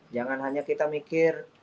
jangan hanya kita mikir